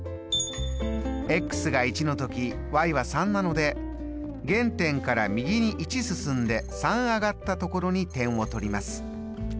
が１の時は３なので原点から右に１進んで３上がったところに点を取ります。